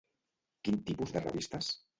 Quin tipus de revistes?